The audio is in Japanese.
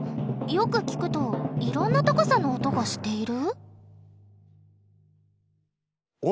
よく聴くといろんな高さの音がしている？